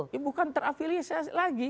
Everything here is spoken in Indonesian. ini bukan terafiliasi lagi